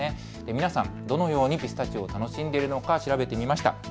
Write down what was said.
皆さん、どのようにピスタチオを楽しんでいるのか調べてみました。